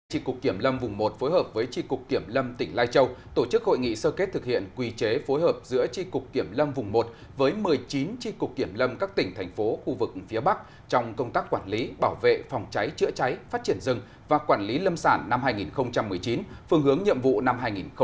trị cục kiểm lâm vùng một phối hợp với tri cục kiểm lâm tỉnh lai châu tổ chức hội nghị sơ kết thực hiện quy chế phối hợp giữa tri cục kiểm lâm vùng một với một mươi chín tri cục kiểm lâm các tỉnh thành phố khu vực phía bắc trong công tác quản lý bảo vệ phòng cháy chữa cháy phát triển rừng và quản lý lâm sản năm hai nghìn một mươi chín phương hướng nhiệm vụ năm hai nghìn hai mươi